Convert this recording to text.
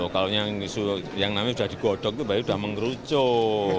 kalau yang namanya sudah digodok itu baru sudah mengerusak